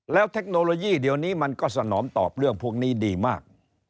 แล้วเทคโนโลยีเดี๋ยวนี้มันก็สนอมตอบเรื่องพวกนี้ดีมาก